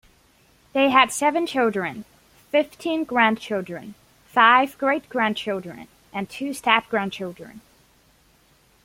They had seven children, fifteen grandchildren, five great-grandchildren, and two step-grandchildren.